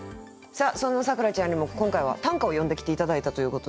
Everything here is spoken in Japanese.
そんな咲楽ちゃんにも今回は短歌を詠んできて頂いたということで。